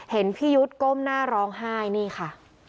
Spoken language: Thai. เห็นพี่ยุทธ์ก้มหน้าร้องไห้นี่ค่ะ